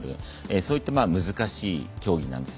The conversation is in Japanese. そういった難しい競技です。